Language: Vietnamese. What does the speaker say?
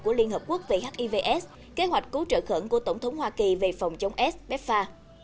của liên hợp quốc về hiv aids kế hoạch cứu trợ khẩn của tổng thống hoa kỳ về phòng chống aids pepfa